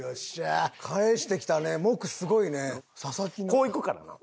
こういくからな。